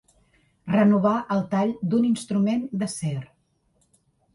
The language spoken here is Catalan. Renovar el tall d'un instrument d'acer.